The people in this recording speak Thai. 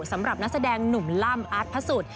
สำหรับนักแสดงหนุ่มล่ำอาร์ตพระสุทธิ์